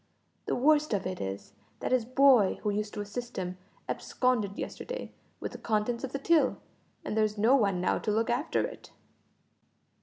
The worst of it is that his boy, who used to assist him, absconded yesterday with the contents of the till, and there is no one now to look after it."